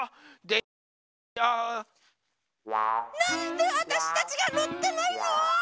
なんであたしたちがのってないの？